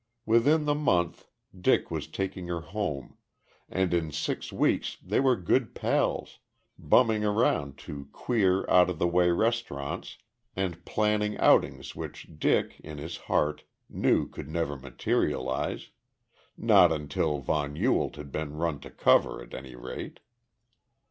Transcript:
Within the month Dick was taking her home, and in six weeks they were good pals, bumming around to queer, out of the way restaurants and planning outings which Dick, in his heart, knew could never materialize not until von Ewald had been run to cover, at any rate.